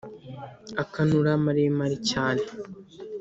akanura maremare cyane